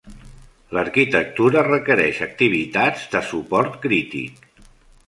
L'arquitectura requereix activitats de suport crític.